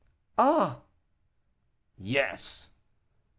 "Ah!" "Yes."